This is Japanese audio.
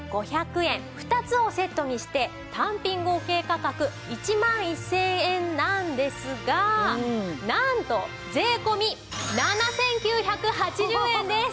２つをセットにして単品合計価格１万１０００円なんですがなんと税込７９８０円です！